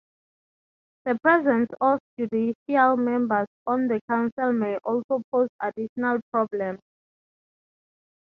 The presence of judicial members on the Council may also pose additional problems.